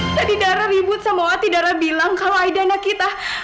tadi dara ribut sama wati dara bilang kalau aida anak kita